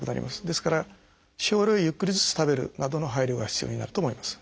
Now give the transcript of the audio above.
ですから少量をゆっくりずつ食べるなどの配慮が必要になると思います。